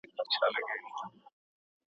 ¬ چي غل نه يم د باچا څخه نه بېرېږم.